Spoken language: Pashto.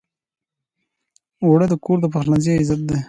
اوړه د کور د پخلنځي عزت دی